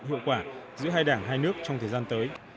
hiệu quả giữa hai đảng hai nước trong thời gian tới